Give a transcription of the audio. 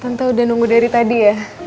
tentu udah nunggu dari tadi ya